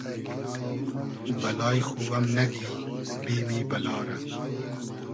بئلای خو ام نئگی بیمی بئلا رۂ